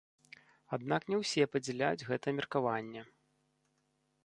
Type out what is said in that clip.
Аднак не ўсе падзяляюць гэтае меркаванне.